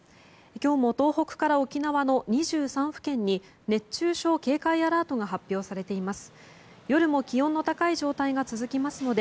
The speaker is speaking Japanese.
今日も東北から沖縄の２３府県に熱中症警戒アラートが発表されています。